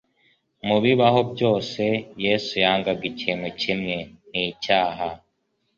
Mu bibaho byose, Yesu yangaga ikintu kimwe: ni icyaha;